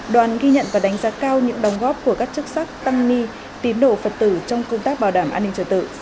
đoàn ghi nhận và đánh giá cao những đồng góp của các chức sắc tăng nư tín độ phật tử trong công tác bảo đảm an ninh trời tự